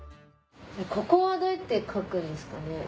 ここはどうやって描くんですかね？